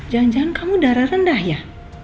jangan jangan kamu darah rendah ya